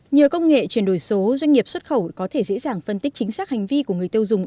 nhờ công nghệ chuyển đổi số doanh nghiệp xuất khẩu có thể dễ dàng phân tích chính xác hành vi của người tiêu dùng